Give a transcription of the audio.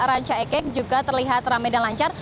rancakekek juga terlihat ramai dan lancar